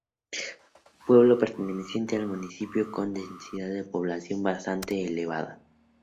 Pueblo perteneciente al municipio, con una densidad de población bastante elevada.